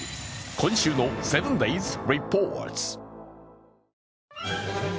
今週の「７ｄａｙｓリポート」。